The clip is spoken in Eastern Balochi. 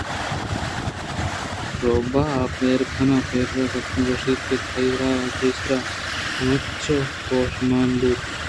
روباہ بیرہ کنان ءَ پرابُز ءَ اتک ءُ گوٛشت ئے اگاں تئی سرا ہمینچو ہوش مان بُوتیں